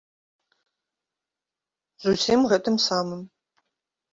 З усім гэтым самым.